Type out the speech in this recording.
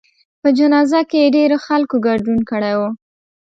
په جنازه کې یې ډېرو خلکو ګډون کړی و.